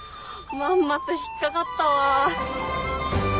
まんまと引っ掛かったわ。